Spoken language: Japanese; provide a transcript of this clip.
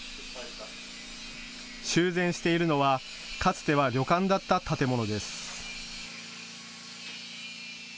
修繕しているのはかつては旅館だった建物です。